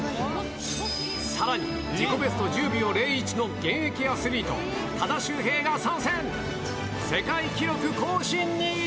さらに自己ベスト１０秒０１の現役アスリート、多田修平が参戦。